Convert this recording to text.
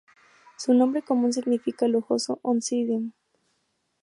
Su nombre común significa "el lujoso Oncidium".